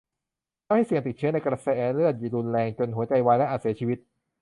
ทำให้เสี่ยงติดเชื้อในกระแสเลือดรุนแรง จนหัวใจวาย และอาจเสียชีวิต